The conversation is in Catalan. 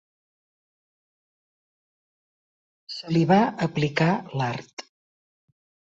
Se li va aplicar l'art.